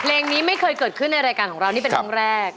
เพลงนี้ไม่เคยเกิดขึ้นในรายการของเรานี่เป็นครั้งแรก